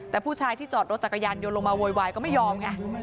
แต่ผู้ชายที่จอดรถจักรยานยนต์ลงมาโวยวายก็ไม่ยอมไง